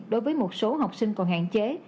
đối với một số học sinh còn hạn chế